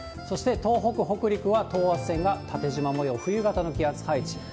そして東北、北陸は等圧線が縦じま模様、冬型の気圧配置。